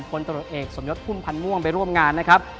ตรวจเอกสมยศพุ่มพันธ์ม่วงไปร่วมงานนะครับ